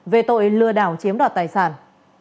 về tội lừa đảo chiếm đoạt tài sản